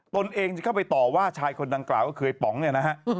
ตนเองจะเข้าไปต่อว่าชายคนดังกล่าวก็คือไอ้ป๋องเนี่ยนะฮะ